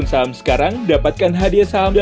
saya mau bicarakan dengan kamu